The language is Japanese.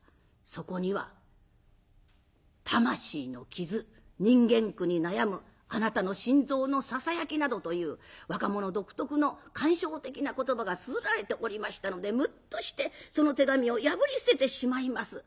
そこには魂の傷人間苦に悩むあなたの心臓のささやきなどという若者独特の感傷的な言葉がつづられておりましたのでむっとしてその手紙を破り捨ててしまいます。